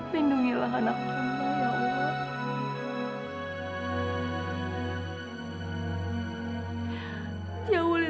pendungilah anak mu ya allah